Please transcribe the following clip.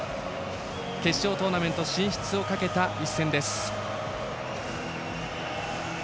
決勝トーナメント進出をかけた一戦です。